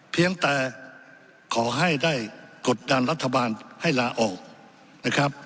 เพียงแต่ขอให้ได้กดดันรัฐบาลให้ลาออกนะครับ